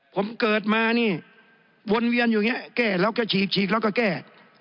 ผมเกิดมานี่วนเวียนอยู่อย่างนี้แก้แล้วแค่ฉีกฉีกแล้วก็แก้